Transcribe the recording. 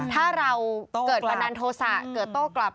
ถ้าเราเกิดบันดาลโทษะเกิดโต้กลับ